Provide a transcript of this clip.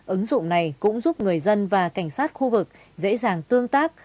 ứng dụng này cũng giúp người dân và cảnh sát khu vực dễ dàng tương tác